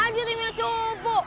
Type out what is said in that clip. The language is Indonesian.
pantesan aja nih mnya cupu